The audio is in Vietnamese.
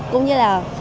cũng như là